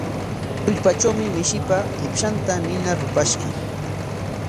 Tullpatrawmi mishipa qipshanta nina rupashqa.